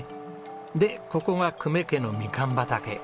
でここが久米家のみかん畑。